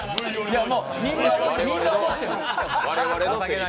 みんな思ってるよ。